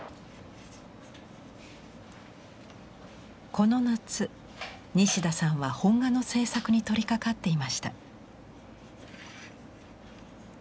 この夏西田さんは本画の制作に取りかかっていました。